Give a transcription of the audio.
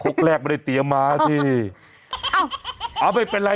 คกแรกมันใดเตียงมาแล้วดิ